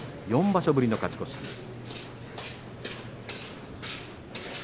４場所ぶりの勝ち越しです。